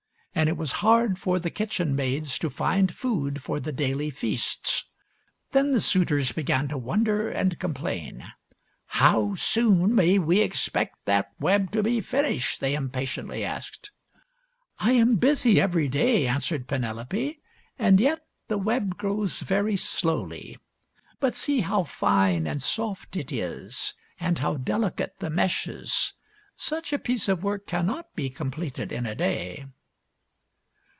and it was hard for the kitchen maids to find food for the daily feasts. Then the suitors began to wonder and complain. " How soon may we expect that web to be fin ished ?" they impatiently asked. " I am busy every day," answered Penelope, " and yet the web grows very slowly. But see how fine and soft it is, and how delicate the meshes. Such a piece of work cannot be completed in a day."